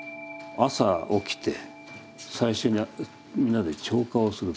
朝起きて最初にみんなで朝課をする。